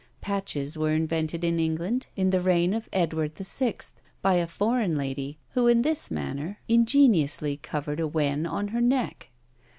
Patches were invented in England in the reign of Edward VI. by a foreign lady, who in this manner ingeniously covered a wen on her neck.